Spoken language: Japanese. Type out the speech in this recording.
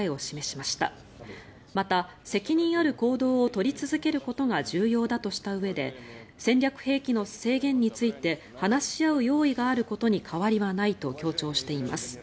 また、責任ある行動を取り続けることが重要だとしたうえで戦略兵器の制限について話し合う用意があることに変わりはないと強調しています。